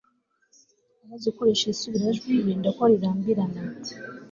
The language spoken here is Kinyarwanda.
abazi gukoresha isubirajwi birinda ko rinarambirana